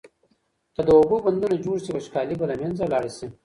که د اوبو بندونه جوړ سي وچکالي به له منځه لاړه سي.